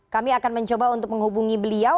kami akan mencoba untuk menghubungi beliau